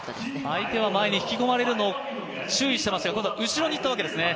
相手は前に引き込まれるのを注意してましたが後ろにいったわけですね。